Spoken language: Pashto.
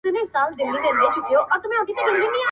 چي دا جنت مي خپلو پښو ته نسکور و نه وینم.